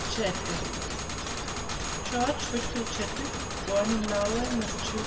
CHADWICK (_George Whitfield Chadwick: born in Lowell, Mass.